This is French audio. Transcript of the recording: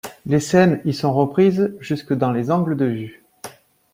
Les scènes y sont reprises jusque dans les angles de vue.